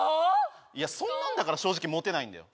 いやそんなんだから正直モテないんだよ